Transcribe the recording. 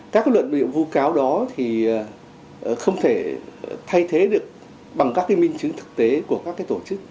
các luận điệu vô cáo đó thì không thể thay thế được bằng các cái minh chứng thực tế của các cái tổ chức